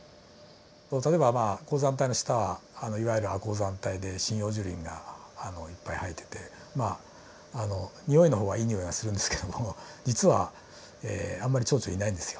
例えばまあ高山帯の下はいわゆる亜高山帯で針葉樹林がいっぱい生えててまあにおいの方はいいにおいがするんですけども実はあんまりチョウチョいないんですよ。